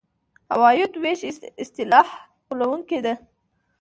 عوایدو وېش اصطلاح غولوونکې ده.